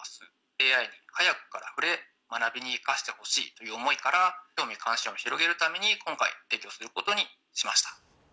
ＡＩに早くから触れ、学びに生かしてほしいという思いから、興味関心を広げるために、今回、提供することにしました。